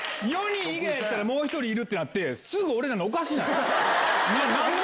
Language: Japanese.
４人以外やったら、もう１人いるってなって、すぐ俺になるの、おかしい。